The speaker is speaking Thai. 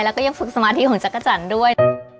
แล้วก็ยังฝึกสมาธิของจักรจันทร์ด้วย